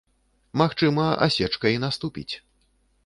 Магчыма, асечка і наступіць.